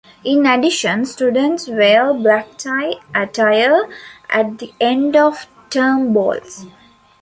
In addition, students wear black tie attire at the end of term balls.